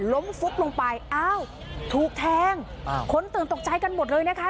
ล้มฟุกลงไปอ้าวแถงอ้าวคนตื่นตกใจกันหมดเลยนะคะ